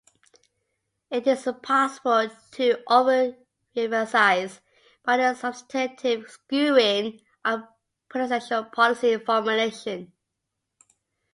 It is possible to overemphasize Bundy's substantive skewing of Presidential policy formulation.